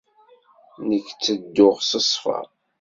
Nekk ttedduɣ s ṣṣfa!